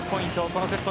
このセット